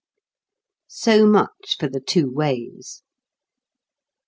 So much for the two ways.